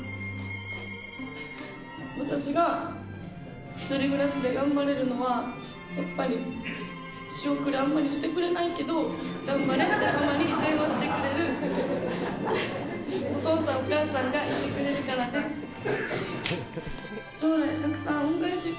私が１人暮らしで頑張れるのは、やっぱり、仕送りあんまりしてくれないけど、頑張れってたまに電話してくれる、お父さん、お母さんがいてくれるからです。